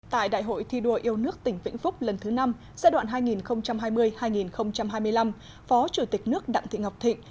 tại đại hội thi đua yêu nước tỉnh vĩnh phúc lần thứ năm giai đoạn hai nghìn hai mươi hai nghìn hai mươi năm phó chủ tịch nước đặng thị ngọc thịnh